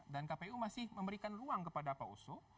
dan kpu masih memberikan ruang kepada pak oso